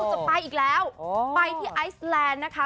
จะไปอีกแล้วไปที่ไอซแลนด์นะคะ